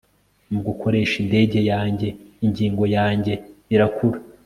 mugukoresha indege yanjye, ingingo yanjye irakura